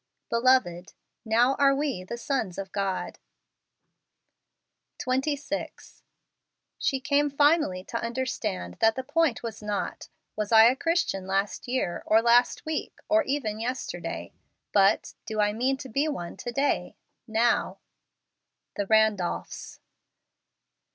" Beloved, now are we the sons of God ." 26. " She came finally to understand that the point was not, Was I a Christian last year, or last week, or even yesterday ? but, Ho I mean to be one to day — now ? The Randolphs.